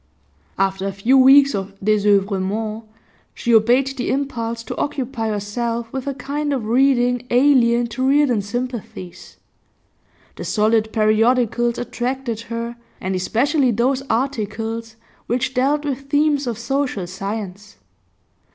After a few weeks of desoeuvrement she obeyed the impulse to occupy herself with a kind of reading alien to Reardon's sympathies. The solid periodicals attracted her, and especially those articles which dealt with themes of social science.